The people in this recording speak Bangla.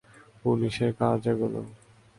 পুলিশের কাজ এগুলো।